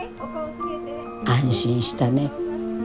安心したね。